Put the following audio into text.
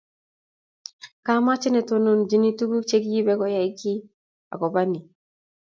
kamache netondonochini tuguk chegiibe koyay giiy agoba ni